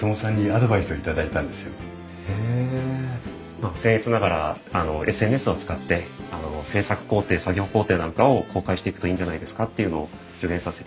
まあせん越ながらＳＮＳを使って制作工程作業工程なんかを公開していくといいんじゃないですかっていうのを助言させていただきました。